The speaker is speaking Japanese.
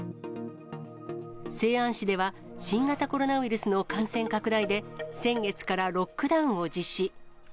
西安市では、新型コロナウイルスの感染拡大で、先月からロックダウンを実施。